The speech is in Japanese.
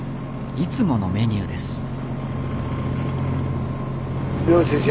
いつものメニューです